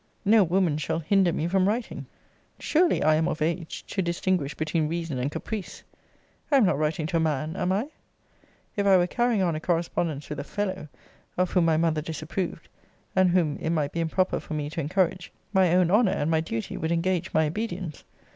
* No woman shall hinder me from writing. Surely I am of age to distinguish between reason and caprice. I am not writing to a man, am I? If I were carrying on a correspondence with a fellow, of whom my mother disapproved, and whom it might be improper for me to encourage, my own honour and my duty would engage my obedience.